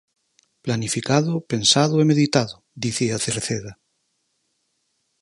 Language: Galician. Planificado, pensado e meditado, dicía Cerceda.